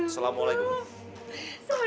salam equatth au